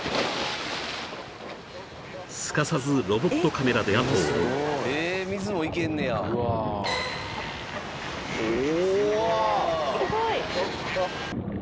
［すかさずロボットカメラで後を追う］